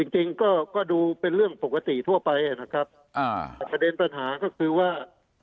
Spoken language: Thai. จริงก็ดูเป็นเรื่องปกติทั่วไปนะครับแต่ประเด็นปัญหาก็คือว่า